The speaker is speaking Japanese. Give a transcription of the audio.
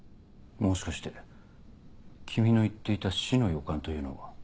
もしかして君の言っていた死の予感というのは。